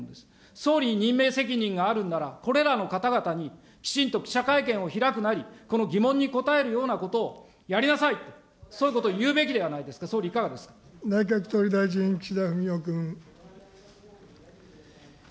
総理に任命責任があるんなら、これらの方々に、きちんと記者会見を開くなり、疑問にこたえるようなことをやりなさい、そういうことを言うべきではないですか、総理、内閣総理大臣、岸田文雄君。